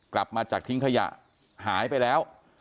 กลับมาจากทิ้งขยะหายไปแล้ว